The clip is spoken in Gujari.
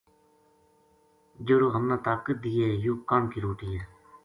جہڑو ہمنا طاقت دیئے یوہ کنک کی روٹی ہے